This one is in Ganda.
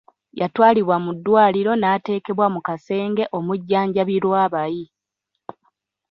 Yatwalibwa mu ddwaliro n'ateekebwa mu kasenge omujjanjabirwa abayi.